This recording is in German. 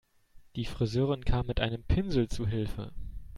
Die Friseurin kam mit einem Pinsel zu Hilfe.